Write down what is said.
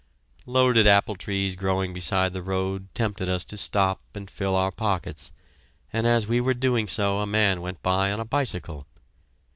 Loaded apple trees growing beside the road tempted us to stop and fill our pockets, and as we were doing so a man went by on a bicycle.